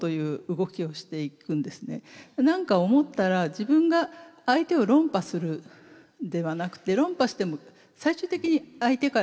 何か思ったら自分が相手を論破するではなくて論破しても最終的に相手から恨みを買うだけだ。